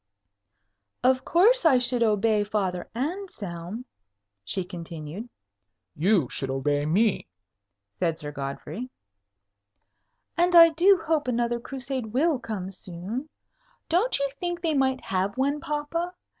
"Of course I should obey Father Anselm," she continued. "You should obey me," said Sir Godfrey. "And I do hope another Crusade will come soon. Don't you think they might have one, papa?